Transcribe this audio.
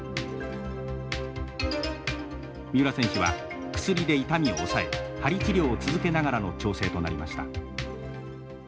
三浦選手は薬で痛みを抑えはり治療を続けながらの調整となりました。